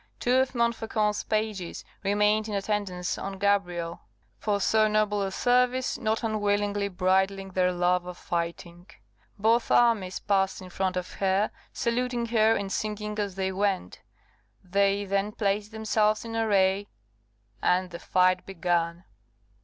Two of Montfaucon's pages remained in attendance on Gabrielle; for so noble a service not unwillingly bridling their love of fighting. Both armies passed in front of her, saluting her and singing as they went; they then placed themselves in array, and the fight began.